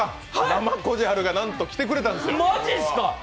生こじはるが、なんと来てくれたんですよ。